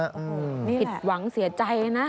นี่แหละผิดหวังเสียใจนะ